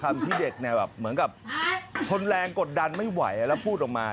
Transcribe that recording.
ที่เด็กเนี่ยแบบเหมือนกับทนแรงกดดันไม่ไหวแล้วพูดออกมา